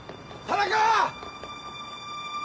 田中！